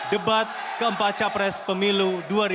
debat keempat capres pemilu dua ribu sembilan belas